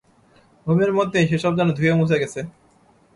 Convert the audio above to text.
ঘুমের মধ্যেই সেসব যেন ধুয়েমুছে গেছে।